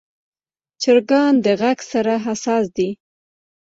چرګان د غږ سره حساس دي.